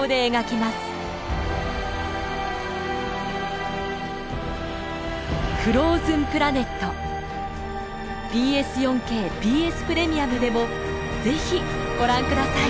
ＢＳ４ＫＢＳプレミアムでも是非ご覧ください。